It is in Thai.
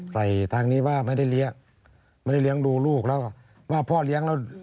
ผมต้องการคนที่รู้จริง